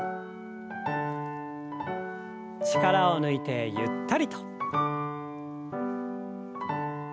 力を抜いてゆったりと。